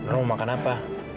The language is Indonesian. non mau makan apa